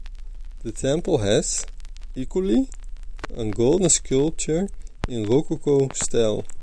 The temple has, equally, a golden sculpture in rococo style.